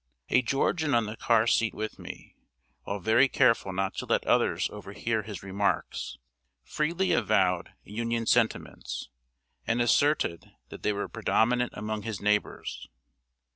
A Georgian on the car seat with me, while very careful not to let others overhear his remarks, freely avowed Union sentiments, and asserted that they were predominant among his neighbors.